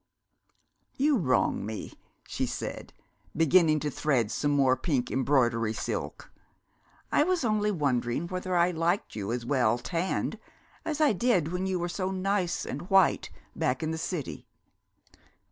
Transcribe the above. "You wrong me," she said, beginning to thread some more pink embroidery silk. "I was only wondering whether I liked you as well tanned as I did when you were so nice and white, back in the city."